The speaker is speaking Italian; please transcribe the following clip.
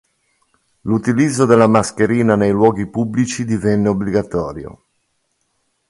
L'utilizzo della mascherina nei luoghi pubblici divenne obbligatorio.